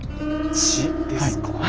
血ですか。